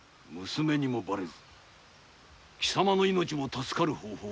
娘にもバレず貴様の命も助かる方法が一つある。